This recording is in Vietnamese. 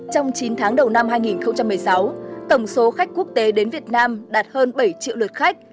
trong chín tháng đầu năm hai nghìn một mươi sáu tổng số khách quốc tế đến việt nam đạt hơn bảy triệu lượt khách